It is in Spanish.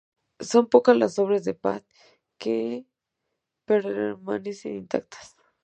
Son pocas las obras de Pratt que permanecen intactas.